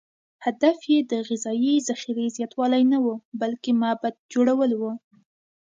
هدف یې د غذایي ذخیرې زیاتوالی نه و، بلکې معبد جوړول و.